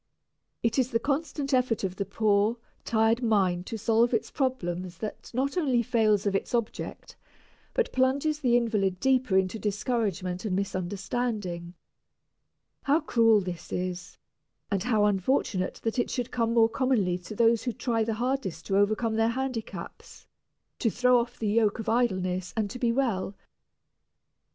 It is the constant effort of the poor, tired mind to solve its problems that not only fails of its object, but plunges the invalid deeper into discouragement and misunderstanding. How cruel this is, and how unfortunate that it should come more commonly to those who try the hardest to overcome their handicaps, to throw off the yoke of idleness and to be well.